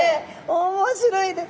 面白いです。